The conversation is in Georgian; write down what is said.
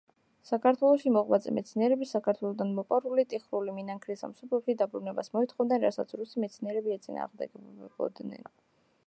საქართველოში მოღვაწე მეცნიერები საქართველოდან მოპარული ტიხრული მინანქრის სამშობლოში დაბრუნებას მოითხოვდნენ, რასაც რუსი მეცნიერები ეწინააღმდეგებოდნენ.